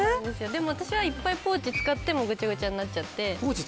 でも私はいっぱいポーチを使ってもぐちゃぐちゃになっちゃって。